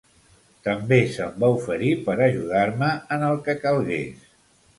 També se'm va oferir per ajudar-me en el que calgués.